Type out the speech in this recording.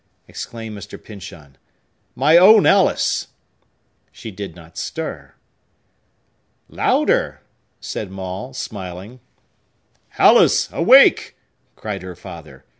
exclaimed Mr. Pyncheon. "My own Alice!" She did not stir. "Louder!" said Maule, smiling. "Alice! Awake!" cried her father.